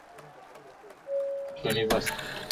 Amevichezea vilabu kadhaa ikiwemo Bayern Munich